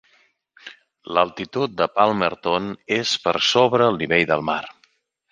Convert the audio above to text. L'altitud de Palmerton és per sobre el nivell del mar.